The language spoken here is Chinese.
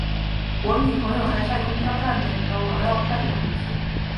我女朋友还在公交站等着，我要快点回去。